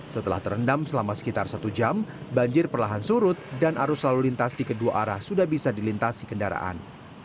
setelah terendam selama sekitar satu jam banjir perlahan surut dan arus lalu lintas di kedua arah sudah bisa dilintasi kendaraan